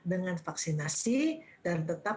dengan vaksinasi dan tetap